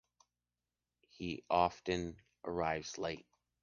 He often arrives late.